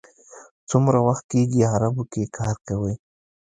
څومره وخت کېږي عربو کې کار کوئ.